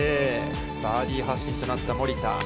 バーディー発進となった森田。